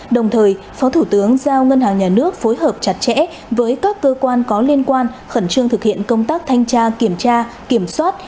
đồng thời phó thủ tướng giao ngân hàng nhà nước phối hợp chặt chẽ với các cơ quan có liên quan khẩn trương thực hiện công tác thanh tra kiểm tra kiểm soát